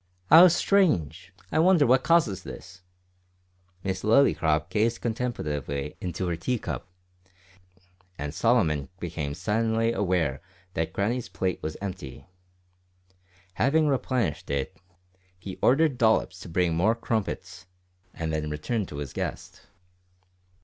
"How strange! I wonder what causes this?" Miss Lillycrop gazed contemplatively into her teacup, and Solomon became suddenly aware that Grannie's plate was empty. Having replenished it, he ordered Dollops to bring more crumpets, and then turned to his guest.